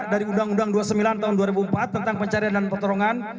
dari uu dua puluh sembilan tahun dua ribu empat tentang pencarian dan pertorongan